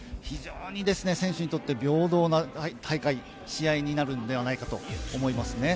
非常にいい選手にとって平等な大会、試合になるんではないかと思います。